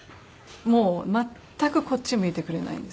もう全くこっち向いてくれないんです。